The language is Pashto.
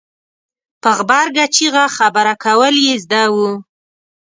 په غبرګه چېغه خبره کول یې زده وو.